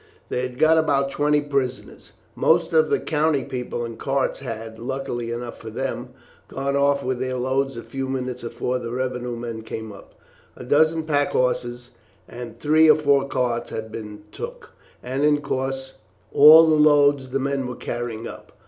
They had got about twenty prisoners. Most of the country people and carts had, luckily enough for them, gone off with their loads a few minutes afore the revenue men came up. A dozen pack horses and three or four carts had been took, and, in course, all the loads the men were carrying up.